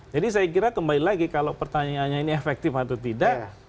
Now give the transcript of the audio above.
jadi saya kira kembali lagi kalau pertanyaannya ini efektif atau tidak